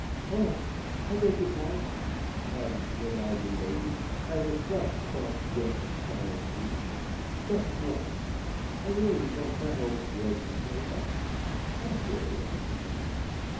O, I beg your pardon," added the lively lady, as a flush crossed York's sallow cheek; "but, bless me, I really thought that old grudge was made up. I'm sure it ought to be."